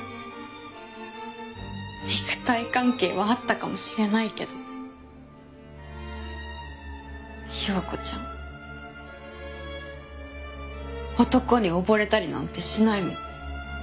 肉体関係はあったかもしれないけど庸子ちゃん男に溺れたりなんてしないもん。